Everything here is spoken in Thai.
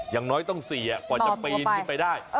อย่างน้อยต้อง๔กว่าจะปีนขึ้นไปได้